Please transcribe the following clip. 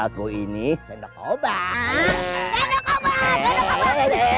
aku ini sendok obat